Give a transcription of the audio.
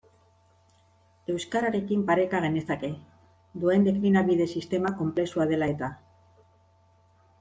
Euskararekin pareka genezake, duen deklinabide-sistema konplexua dela eta.